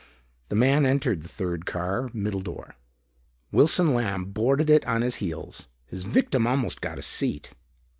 The man entered the third car, middle door. Wilson Lamb boarded it on his heels. His victim almost got a seat.